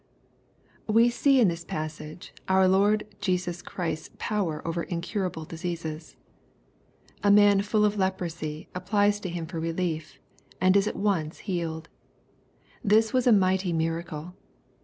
We Bee in this passage^ our Lord Jestis Christ's power over incurable diseases, " A man full of leprosy'' applies to Him for relief, and is at once healed. This was a mighty miracle.